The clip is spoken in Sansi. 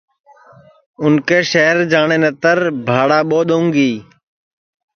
اُن کے شہر جاٹؔے نتر بھاڑا ٻو دؔونگی